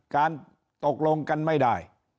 การตกลงกันไม่ได้